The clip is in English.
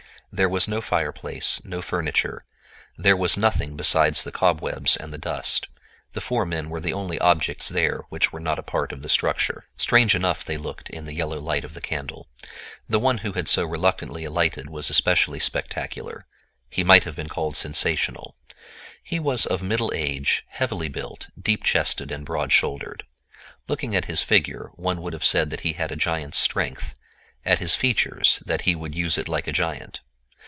There was no fireplace, no furniture; there was nothing: besides the cobwebs and the dust, the four men were the only objects there which were not a part of the structure. Strange enough they looked in the yellow light of the candle. The one who had so reluctantly alighted was especially spectacular—he might have been called sensational. He was of middle age, heavily built, deep chested, and broad shouldered. Looking at his figure, one would have said that he had a giant's strength; at his features, that he would use it like a giant.